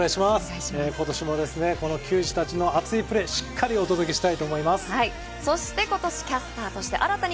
ことしも球児たちの熱いプレー、しっかりお届けしたいと思います。